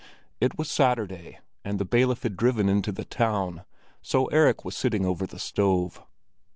It was Saturday, and the bailiff had driven into the town, so Erik was sitting over the stove.